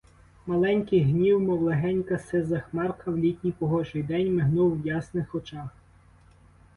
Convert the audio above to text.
Маленький гнів, мов легенька сиза хмарка в літній погожий день, мигнув в ясних очах.